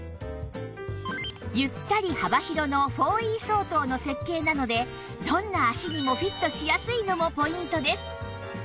ゆったり幅広の ４Ｅ 相当の設計なのでどんな足にもフィットしやすいのもポイントです